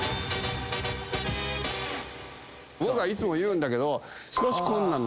僕はいつも言うんだけど。